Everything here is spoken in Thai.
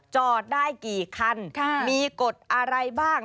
จอดได้กี่คันมีกฎอะไรบ้าง